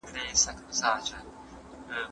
خوب د یادښت په پیاوړتیا کې مرسته کوي.